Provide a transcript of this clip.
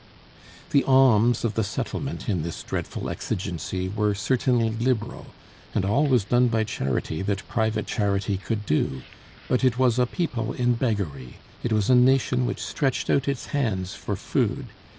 The alms of the settlement in this dreadful exigency were certainly liberal, and all was done by charity that private charity could do: but it was a people in beggary; it was a nation which stretched out its hands for food.